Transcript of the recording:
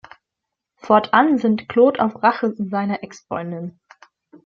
Fortan sinnt Claude auf Rache an seiner Exfreundin.